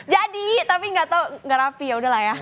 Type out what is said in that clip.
jadi tapi gak tau gak rapi yaudahlah ya